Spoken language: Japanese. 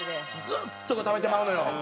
ずっとこれ食べてまうのよ。